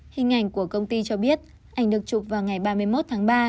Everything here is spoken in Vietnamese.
hình ảnh của công ty cho biết ảnh được chụp vào ngày ba mươi một tháng ba